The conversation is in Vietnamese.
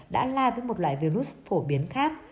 đã la với một loại virus phổ biến khác